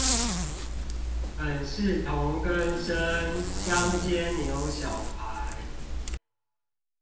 本是同根生，香煎牛小排